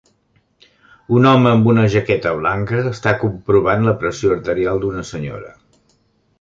Un home amb una jaqueta blanca està comprovant la pressió arterial d'una senyora.